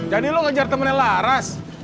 jadi lu ngejar temennya laras